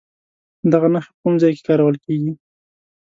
دغه نښه په کوم ځای کې کارول کیږي؟